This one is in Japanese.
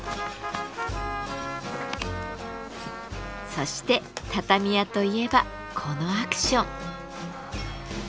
そして畳屋といえばこのアクション。